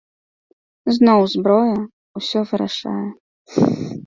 Зноў зброя ўсё вырашае.